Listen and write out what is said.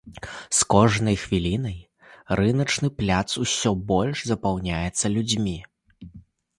З кожнай хвілінай рыначны пляц усё больш запаўняецца людзьмі.